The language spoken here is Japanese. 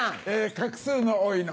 画数の多いの。